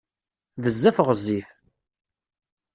Bezzaf ɣezzif.